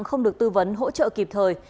không được tư vấn hỗ trợ kịp thời